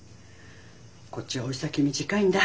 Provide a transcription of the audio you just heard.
こっちは老い先短いんだ。